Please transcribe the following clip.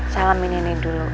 salamin ini dulu